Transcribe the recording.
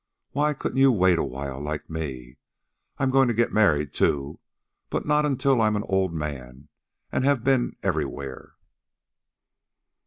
Why couldn't you wait a while, like me. I'm goin' to get married, too, but not until I'm an old man an' have been everywheres."